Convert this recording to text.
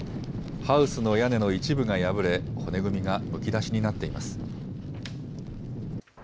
ハウスの屋根の一部が破れ、骨組みがむき出しになっています。